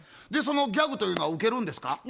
でそのギャグというのはウケるんですか？